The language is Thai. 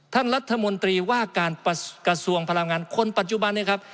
ท่านรัฐมนตรีว่าการกระทรวงพลังงานคนปัจจุบันนี้ครับ